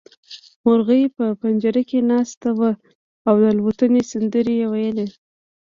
مرغۍ په پنجره کې ناسته وه او د الوتنې سندرې يې ويلې.